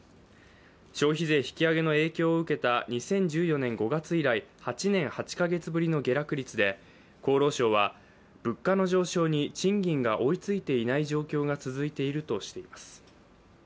消費税引き上げの影響を受けた２０１４年５月以来８年８か月ぶりの下落率で、厚労省は物価の上昇に賃金が追いついていない状況が続いているとしています。